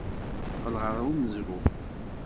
Teqqel ɣer uneẓruf.